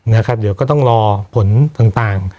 นะครับเดี๋ยวก็ต้องรอผลต่าง